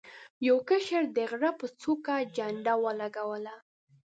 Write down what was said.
یو کشر د غره په څوکه جنډه ولګوله.